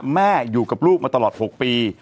แม่อยู่กับลูกมาตลอด๖ปี